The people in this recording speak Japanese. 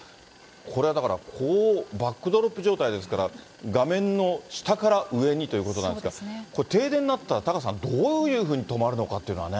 これはだから、バックドロップ状態ですから、画面の下から上にということなんですが、停電になったら、タカさん、どういうふうに止まるのかっていうのはね。